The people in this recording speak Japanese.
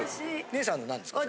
姉さんの何ですか？